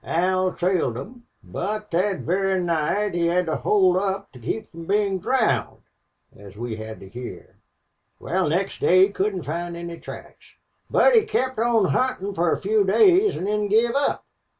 Al trailed 'em. But thet very night he had to hold up to keep from bein' drowned, as we had to hyar. Wal, next day he couldn't find any tracks. But he kept on huntin' fer a few days, an' then give up.